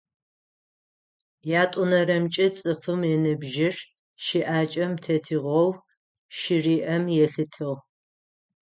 Ятӏонэрэмкӏэ, цӏыфым ыныбжьыр щыӏакӏэм тетыгъоу щыриӏэм елъытыгъ.